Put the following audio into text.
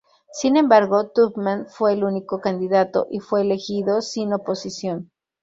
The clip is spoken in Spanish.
Sin embargo, Tubman fue el único candidato y fue reelegido sin oposición.